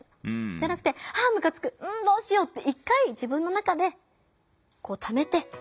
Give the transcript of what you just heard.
じゃなくて「あむかつく！んどうしよう」って一回自分の中でためて自分と会話する。